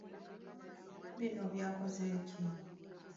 Bino byakoze ki?